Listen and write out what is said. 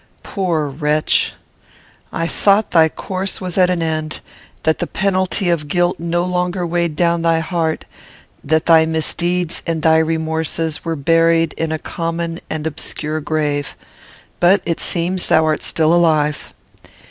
Poor wretch! I thought thy course was at an end; that the penalty of guilt no longer weighed down thy heart; that thy misdeeds and thy remorses were buried in a common and obscure grave; but it seems thou art still alive.